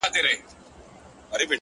• یوسف په خوب کي لټومه زلیخا ووینم,